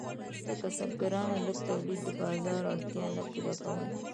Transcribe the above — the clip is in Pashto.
د کسبګرانو لږ تولید د بازار اړتیا نه پوره کوله.